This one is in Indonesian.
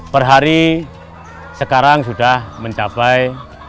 perhari sekarang sudah mencapai